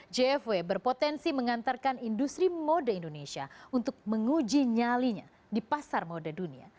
jfw berpotensi mengantarkan industri mode indonesia untuk menguji nyalinya di pasar mode dunia